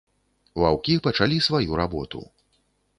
Ваўкі пачалі сваю работу.